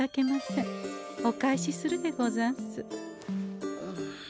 お返しするでござんす。